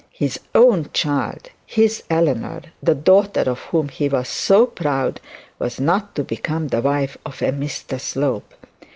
His own child, his Eleanor, the daughter of whom he was so proud was not to become the wife of Mr Slope.